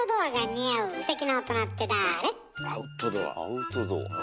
アウトドア。